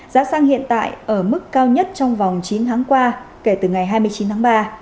giá xăng hiện tại ở mức cao nhất trong vòng chín tháng qua kể từ ngày hai mươi chín tháng ba